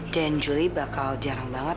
dan juli bakal jarang banget